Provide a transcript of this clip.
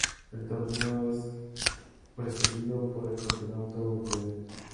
El torneo es precedido por el Campeonato Europeo.